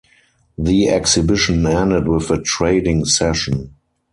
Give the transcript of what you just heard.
The exhibition ended with a trading session.